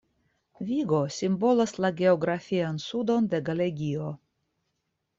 Vigo simbolas la geografian sudon de Galegio.